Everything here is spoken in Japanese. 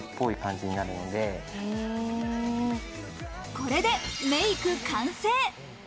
これでメイク完成。